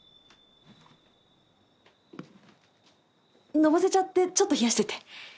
のぼせちゃってちょっと冷やしてて。